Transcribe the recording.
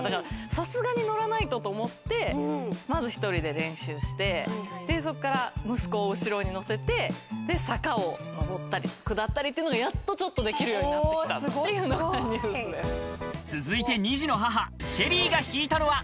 さすがに乗らないとと思って、まず１人で練習して、そこから息子を後ろに乗せて坂を上ったり下ったりっていうのが、やっとちょっとできるようになっ続いて２児の母、ＳＨＥＬＬＹが引いたのは。